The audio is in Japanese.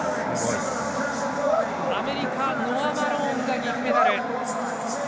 アメリカノア・マローンが銀メダル。